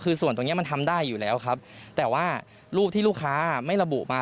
คือส่วนตรงเนี้ยมันทำได้อยู่แล้วครับแต่ว่ารูปที่ลูกค้าไม่ระบุมา